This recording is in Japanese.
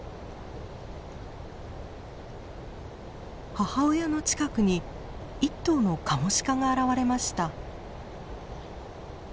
母親の近くに１頭のカモシカが現れました。